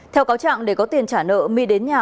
theo cáo trạng để có tiền trả nợ my đến nhà